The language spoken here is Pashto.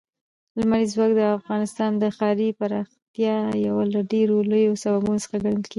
لمریز ځواک د افغانستان د ښاري پراختیا یو له ډېرو لویو سببونو څخه کېږي.